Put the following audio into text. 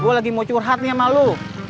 gue lagi mau curhat nih sama lo